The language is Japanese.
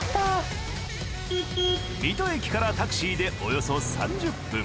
水戸駅からタクシーでおよそ３０分。